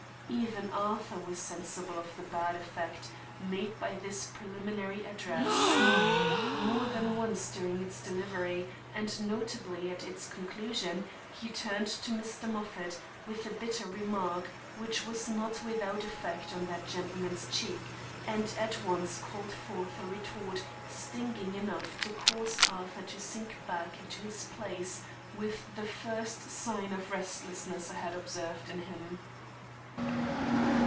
Even Arthur was sensible of the bad effect made by this preliminary address. More than once during its delivery and notably at its conclusion, he turned to Mr. Moffat, with a bitter remark, which was not without effect on that gentleman's cheek, and at once called forth a retort stinging enough to cause Arthur to sink back into his place, with the first sign of restlessness I had observed in him.